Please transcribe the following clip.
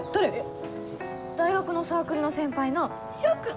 大学のサークルの先輩の翔クン！